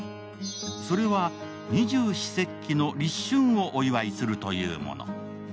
それは二十四節気の立春をお祝いするというもの。